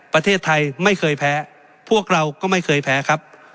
ประเทศไทยไม่เคยแพ้พวกเราก็ไม่เคยแพ้ครับ